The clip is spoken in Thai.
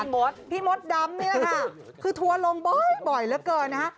มดพี่มดดำนี่แหละค่ะคือทัวร์ลงบ่อยเหลือเกินนะคะ